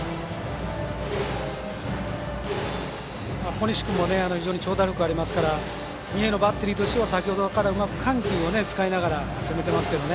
小西君も非常に長打力ありますから三重のバッテリーとしては先ほどからうまく緩急を使いながら攻めてますけどね。